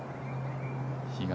比嘉